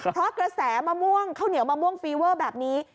เพราะกระแสมะม่วงข้าวเหนียวมะม่วงฟีเวอร์แบบนี้